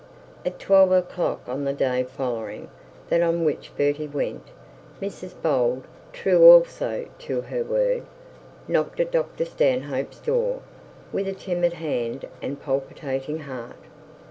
At twelve o'clock on the day following that on which Bertie went, Mrs Bold, true also to her word, knocked at Dr Stanhope's door with a timid hand and palpitating heart.